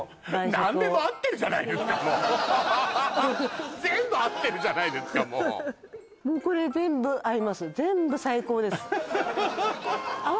何でも合ってるじゃないですかもう全部合ってるじゃないですかもうもうこれ全部合います全部最高です